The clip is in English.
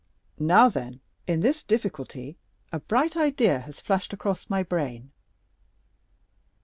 "Now, then, in this difficulty a bright idea has flashed across my brain."